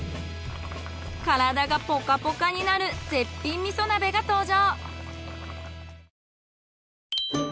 体がポカポカになる絶品味噌鍋が登場。